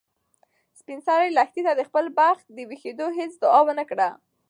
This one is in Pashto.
سپین سرې لښتې ته د خپل بخت د ویښېدو هیڅ دعا ونه کړه.